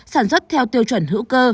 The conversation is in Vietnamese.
sản xuất theo tiêu chuẩn hữu cơ